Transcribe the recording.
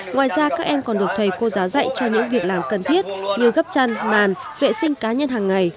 ngoài ra các em còn được thầy cô giáo dạy cho những việc làm cần thiết như gấp chăn màn vệ sinh cá nhân hàng ngày